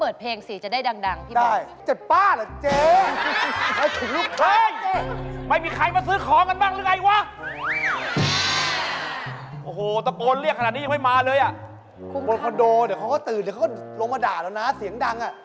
เดี๋ยวเขาลงมาด่าเรานะเสียงดัง